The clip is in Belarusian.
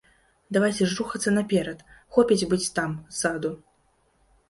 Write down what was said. Давайце ж рухацца наперад, хопіць быць там, ззаду.